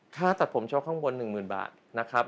ค่าตัดผมชกข้างบน๑๐๐๐บาทนะครับ